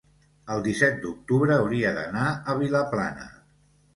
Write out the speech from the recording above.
el disset d'octubre hauria d'anar a Vilaplana.